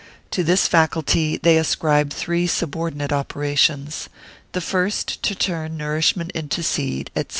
To this faculty they ascribe three subordinate operations:—the first to turn nourishment into seed, &c.